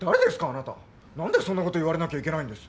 なんでそんなこと言われなきゃいけないんです？